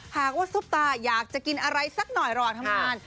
หากว่าซุปตาอยากจะกินอะไรสักหน่อยรอทำงาน